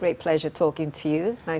berbicara dengan anda